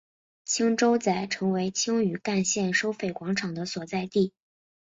青洲仔成为青屿干线收费广场的所在地。